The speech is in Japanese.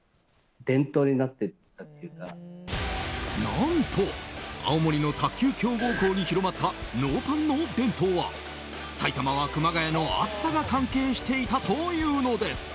何と、青森の卓球強豪校に広まったノーパンの伝統は埼玉は熊谷の暑さが関係していたというのです。